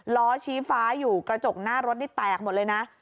ล้อชี้ฟ้าอยู่กระจกหน้ารถนี่แตกหมดเลยนะ